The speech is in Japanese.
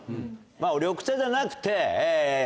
緑茶じゃなくて。